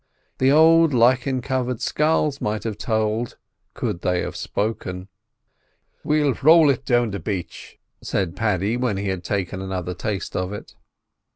The old lichen covered skulls might have told, could they have spoken. "We'll rowl it down to the beach," said Paddy, when he had taken another taste of it.